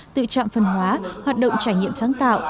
tự trạm phân hóa hoạt động trải nghiệm sáng tạo